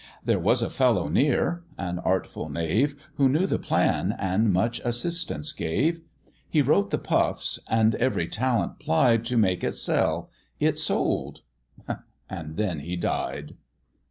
There was a fellow near, an artful knave, Who knew the plan, and much assistance gave; He wrote the puffs, and every talent plied To make it sell: it sold, and then he died.